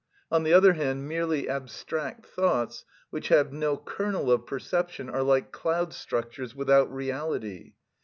On the other hand, merely abstract thoughts, which have no kernel of perception, are like cloud structures, without reality.